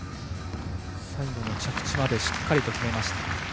最後の着地までしっかり決めました。